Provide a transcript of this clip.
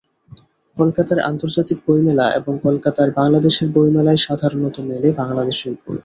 কলকাতার আন্তর্জাতিক বইমেলা এবং কলকাতার বাংলাদেশের বইমেলায় সাধারণত মেলে বাংলাদেশের বই।